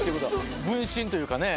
分身というかね。